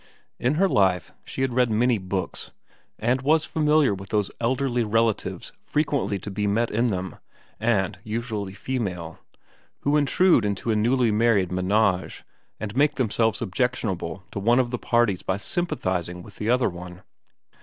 In her life she had read many books, and was familiar with those elderly relatives frequently to be met in them, and usually female, who intrude into a newly married manage and make themselves objectionable to one of the parties by sympathising with the other one.